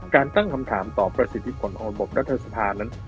ตั้งคำถามต่อประสิทธิผลของระบบรัฐสภานั้น